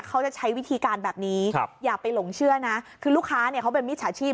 เขาจะใช้วิธีการแบบนี้อย่าไปหลงเชื่อนะคือลูกค้าเนี่ยเขาเป็นมิจฉาชีพ